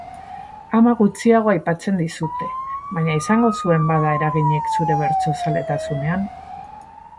Ama gutxiago aipatzen dizute, baina izango zuen bada eraginik zure bertsozaletasunean.